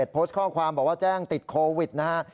โพสต์ข้อความบอกว่าแจ้งติดโควิดนะฮะ